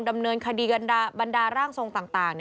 ดำเนินคดีกันบรรดาร่างทรงต่าง